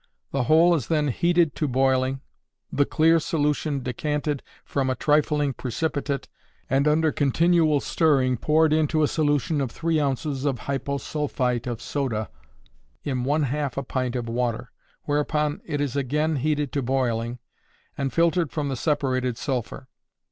The whole is then heated to boiling, the clear solution decanted from a trifling precipitate, and poured under continual stirring into a solution of three ounces hyposulphite of soda in one half a pint of water, whereupon it is again heated to boiling, and filtered from the separated sulphur.